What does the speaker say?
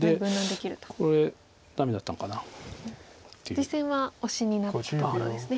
実戦はオシになったところです。